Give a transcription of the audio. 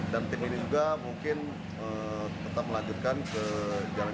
dan tim ini juga mungkin tetap melanjutkan ke jalan